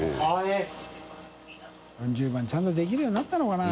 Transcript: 苅鞍ちゃんとできるようになったのかな？